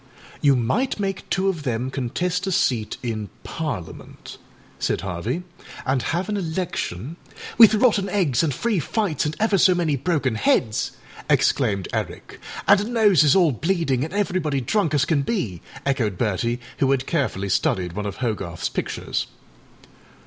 âYou might make two of them contest a seat in Parliament,â said Harvey, âan have an electionââ âWith rotten eggs, and free fights, and ever so many broken heads!â exclaimed Eric. âAnd noses all bleeding and everybody drunk as can be,â echoed Bertie, who had carefully studied one of Hogarthâs pictures.